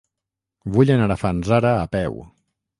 Vull anar a Fanzara a peu.